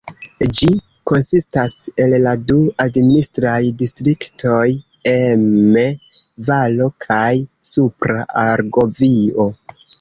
Ĝi konsistas el la du administraj distriktoj Emme-Valo kaj Supra Argovio.